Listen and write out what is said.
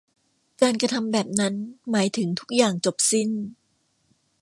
การกระทำแบบนั้นหมายถึงทุกอย่างจบสิ้น